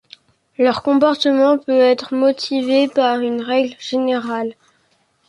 Leur comportement peut être motivé par une règle générale.